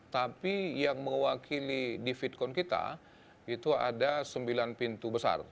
tapi yang mewakili di fitcon kita itu ada sembilan pintu besar